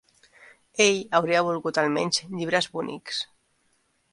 Ell hauria volgut almenys llibres bonics